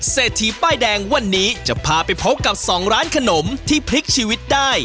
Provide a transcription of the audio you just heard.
เศรษฐีป้ายแดงวันนี้จะพาไปพบกับสองร้านขนมที่พลิกชีวิตได้